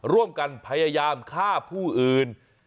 ร่วมกันพยายามฆ่าผู้อื่น